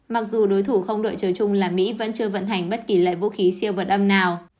mặc dù đối thủ không đội trời chung là mỹ vẫn chưa vận hành bất kỳ loại vũ khí siêu vật âm nào